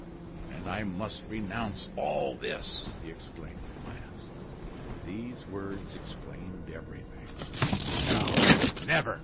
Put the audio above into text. "And I must renounce all this!" he exclaimed, at last. These words explained everything. "No, never!"